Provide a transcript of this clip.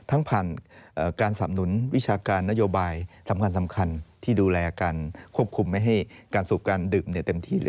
ผ่านการสำนุนวิชาการนโยบายสำคัญที่ดูแลการควบคุมไม่ให้การสูบการดื่มเต็มที่เลย